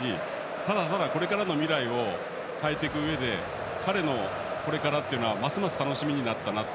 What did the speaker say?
ただただ、これからの未来を変えていくうえで彼のこれからというのはますます楽しみになったなと。